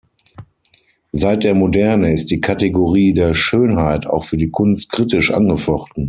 Seit der Moderne ist die Kategorie der „Schönheit“ auch für die Kunst kritisch angefochten.